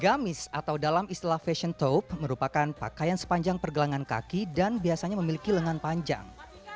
gamis atau dalam istilah fashion tope merupakan pakaian sepanjang pergelangan kaki dan biasanya memiliki lengan panjang